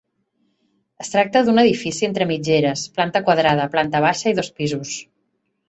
Es tracta d'un edifici entre mitgeres, planta quadrada, planta baixa i dos pisos.